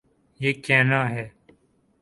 یہ کہنا ہے۔